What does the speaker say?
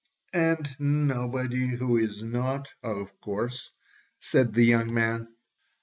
"And nobody who is not, of course," said the young man.